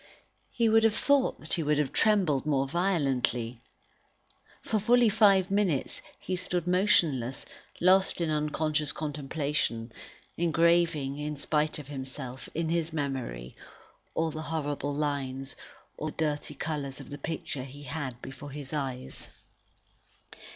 He would have thought that he would have trembled more violently. For fully five minutes, he stood motionless, lost in unconscious contemplation, engraving, in spite of himself, in his memory, all the horrible lines, all the dirty colours of the picture he had before his eyes.